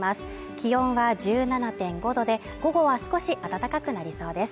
気温は１７．５度で午後は少し暖かくなりそうです。